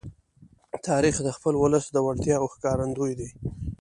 تاریخ د خپل ولس د وړتیاو ښکارندوی دی.